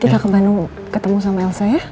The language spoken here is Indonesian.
kita ke bandung ketemu sama elsa